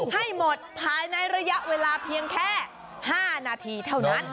ให้หมดภายในระยะเวลาเพียงแค่๕นาทีเท่านั้น